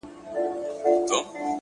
• زه نه كړم گيله اشــــــــــــنا،